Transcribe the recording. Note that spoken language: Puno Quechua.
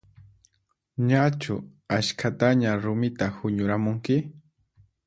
Ñachu askhataña rumita huñuramunki?